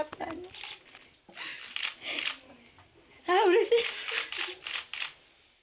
ああうれしい。